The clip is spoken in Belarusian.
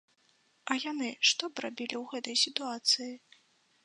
А яны што б рабілі ў гэтай сітуацыі?